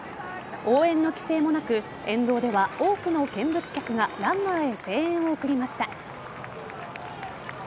応援の規制もなく沿道では多くの見物客がランナーへ声援を送りました。